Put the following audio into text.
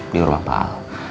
di rumah paal